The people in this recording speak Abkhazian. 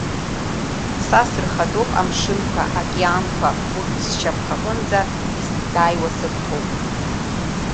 Са сырхадоуп амшынқәа, аокеанқәа, урҭ сшьамхаҟынӡа исзааиуа сырҭоуп.